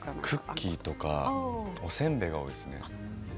クッキーとかおせんべいが多いですね。